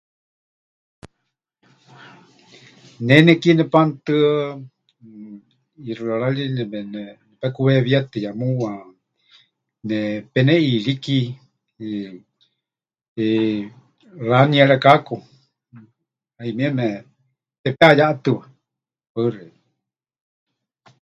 Ne nekie nepanutɨa, eh, ʼixɨarari nepekuweewíetɨya muuwa, nepeneʼiiriki, eh, eh, ranierekaku, 'ayumieme tepɨteʼayeʼatɨwa. Paɨ xeikɨ́a.